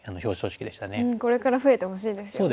これから増えてほしいですよね。